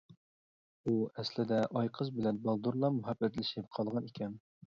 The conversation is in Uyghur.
ئۇ ئەسلىدە ئايقىز بىلەن بالدۇرلا مۇھەببەتلىشىپ قالغان ئىكەن.